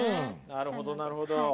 なるほどなるほど。